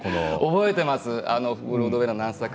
覚えています。